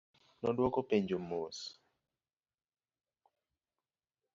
Nodwoko penjo mos.